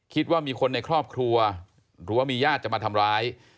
คิดว่ามีคนในครอบครัวหรือว่ามีญาติจะมาทำร้าย